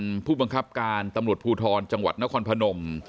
เป็นผู้บังคับการตำรวจภูทรจังหวัดนครพนม